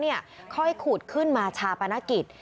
เขาให้ขูดขึ้นมาชาปนกิจ